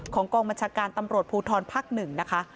กองบัญชาการตำรวจภูทรภักดิ์๑นะคะ